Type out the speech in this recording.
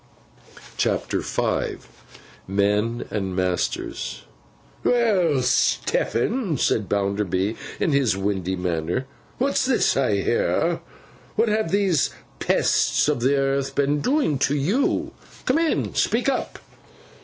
CHAPTER V MEN AND MASTERS 'WELL, Stephen,' said Bounderby, in his windy manner, 'what's this I hear? What have these pests of the earth been doing to you? Come in, and speak up.